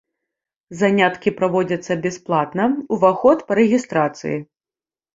Заняткі праводзяцца бясплатна, уваход па рэгістрацыі.